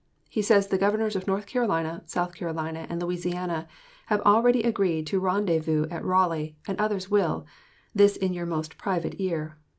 He says the Governors of North Carolina, South Carolina, and Louisiana have already agreed to rendezvous at Raleigh, and others will this in your most private ear.